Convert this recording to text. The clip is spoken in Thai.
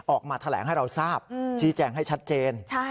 ออกมาแถลงให้เราทราบชี้แจงให้ชัดเจน